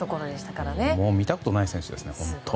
見たことない選手ですね。